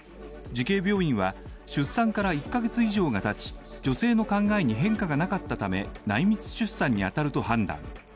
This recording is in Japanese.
慈恵病院は出産から１カ月以上が経ち女性の考えに変化がなかったため内密出産に当たると判断。